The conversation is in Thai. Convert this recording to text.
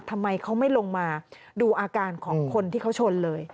ทำไมเขาไม่ลงมาดูอาการของคนที่เขาชนเลย